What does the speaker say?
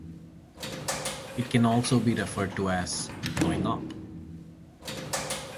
It can also be referred to as "blowing up".